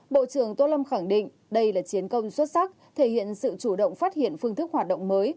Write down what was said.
bộ trưởng tô lâm khẳng định đây là chiến công xuất sắc thể hiện sự chủ động phát hiện phương thức hoạt động mới